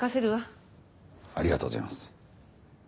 ありがとうございます。